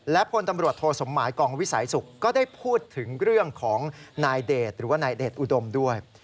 และพลตำรวจโทสมหมายกองวิสัยสุขก็ได้พูดถึงเรื่องของนายเดชหรือว่านายเดชอุดมด้วย